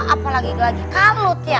apalagi lagi kalut ya